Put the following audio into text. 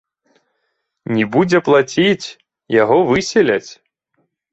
Не будзе плаціць, яго выселяць.